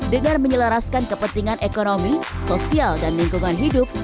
dengan menyelaraskan kepentingan ekonomi sosial dan lingkungan hidup